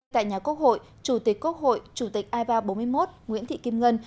tại nhà quốc hội chủ tịch quốc hội chủ tịch ipa bốn mươi một nguyễn thị kim ngân